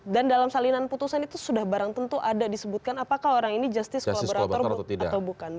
dan dalam salinan putusan itu sudah barang tentu ada disebutkan apakah orang ini justice kolaborator atau bukan